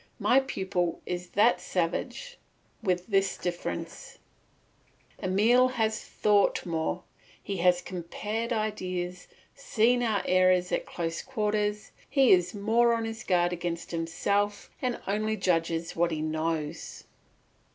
My pupil is that savage, with this difference: Emile has thought more, he has compared ideas, seen our errors at close quarters, he is more on his guard against himself, and only judges of what he knows.